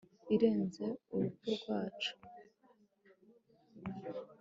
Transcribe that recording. irenze urupfu rwacu